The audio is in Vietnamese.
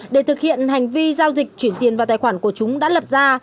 để thực hiện hành vi giao dịch chuyển tiền vào tài khoản của chúng đã lập ra